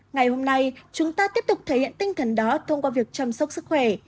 ngày hôm nay chúng ta tiếp tục thể hiện tinh thần đó thông qua việc chăm sóc sức khỏe